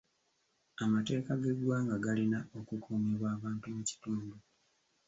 Amateeka g'eggwanga galina okukuumibwa abantu mu kitundu.